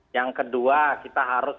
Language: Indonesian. yang kedua kita harus